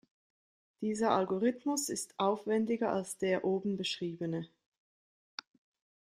Dieser Algorithmus ist aufwendiger als der oben beschriebene.